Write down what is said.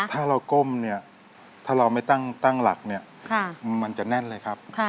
ถ้าเราก้มเนี่ยถ้าเราไม่ตั้งหลักเนี่ยมันจะแน่นเลยครับ